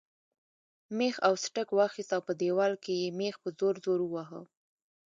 مېخ او سټک واخیست او په دیوال کې یې مېخ په زور زور واهه.